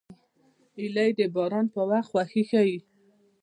هیلۍ د باران په وخت خوښي ښيي